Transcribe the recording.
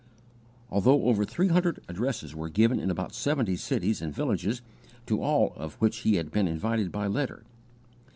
Altogether over three hundred addresses were given in about seventy cities and villages to all of which he had been invited by letter.